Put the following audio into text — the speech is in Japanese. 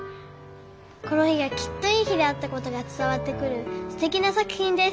この日がきっといい日であったことが伝わってくるすてきな作品です」。